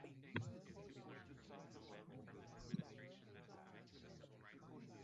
Writers included Gene Roddenberry and Harry Julian Fink.